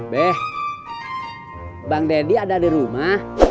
beh bang deddy ada di rumah